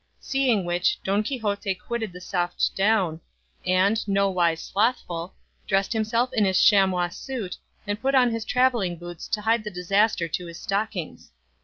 Seeing which Don Quixote quitted the soft down, and, nowise slothful, dressed himself in his chamois suit and put on his travelling boots to hide the disaster to his stockings.